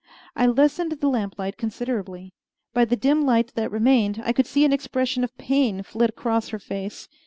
I lessened the lamplight considerably. By the dim light that remained, I could see an expression of pain flit across her face.